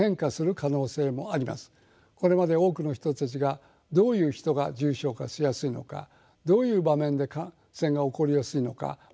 これまで多くの人たちがどういう人が重症化しやすいのかどういう場面で感染が起こりやすいのか学んできました。